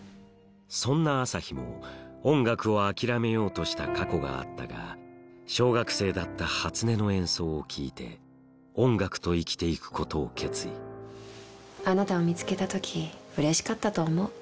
そんな朝陽も音楽を諦めようとした過去があったが小学生だった初音の演奏を聴いて音楽と生きていくことを決意あなたを見つけた時うれしかったと思う。